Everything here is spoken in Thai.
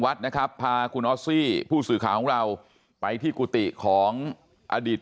วัดนะครับพาคุณออสซี่ผู้สื่อข่าวของเราไปที่กุฏิของอดีต